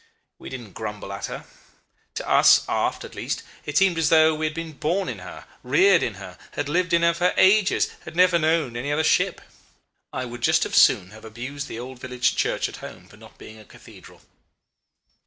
We didn't grumble at her. To us aft, at least, it seemed as though we had been born in her, reared in her, had lived in her for ages, had never known any other ship. I would just as soon have abused the old village church at home for not being a cathedral.